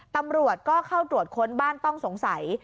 ตำรวจก็เข้าตรวจค้นบ้านต้องสงสัย